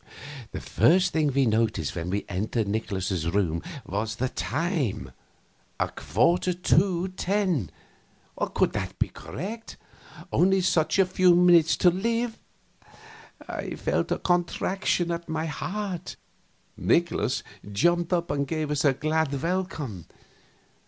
The first thing we noticed when we entered Nikolaus's room was the time a quarter to 10. Could that be correct? Only such a few minutes to live! I felt a contraction at my heart. Nikolaus jumped up and gave us a glad welcome.